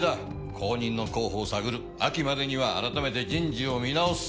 後任の候補を探る秋までにはあらためて人事を見直す。